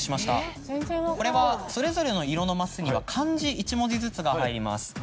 これはそれぞれの色のマスには漢字１文字ずつが入ります。